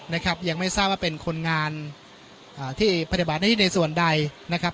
นะครับยังไม่ทราบว่าเป็นคนงานอ่าที่ปฏิบัติหน้าที่ในส่วนใดนะครับ